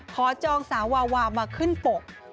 จองสาววาวามาขึ้นปก